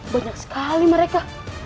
banyak sekali mereka